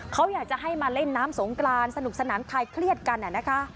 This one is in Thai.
เขาอยากจะให้มาเล่นน้ำสงกรานสนุกสนานคลายเครียดกันนะคะ